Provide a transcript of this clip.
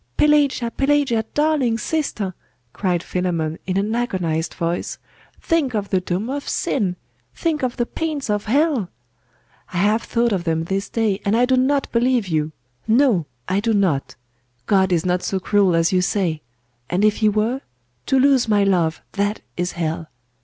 'Pelagia, Pelagia, darling sister!' cried Philammon, in an agonised voice, 'think of the doom of sin! Think of the pains of hell!' 'I have thought of them this day: and I do not believe you! No I do not! God is not so cruel as you say! And if He were: to lose my love, that is hell!